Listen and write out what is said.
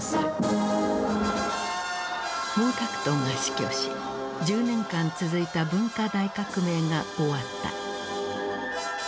毛沢東が死去し１０年間続いた文化大革命が終わった。